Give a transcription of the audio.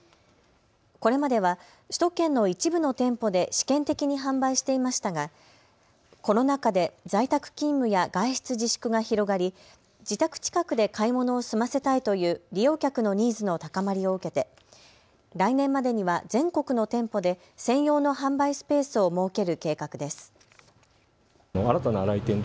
これまでは首都圏の一部の店舗で試験的に販売していましたがコロナ禍で在宅勤務や外出自粛が広がり自宅近くで買い物を済ませたいという利用客のニーズの高まりを受けて来年までには全国の店舗で専用の販売スペースを設ける計画です。